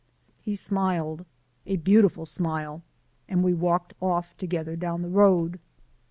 He smiled, a beautiful smile, and we walked off together down the road.